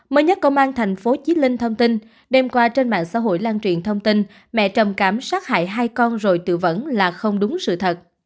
mới nhất công an tp hcm thông tin đem qua trên mạng xã hội lan truyền thông tin mẹ trầm cảm sát hại hai con rồi tử vấn là không đúng sự thật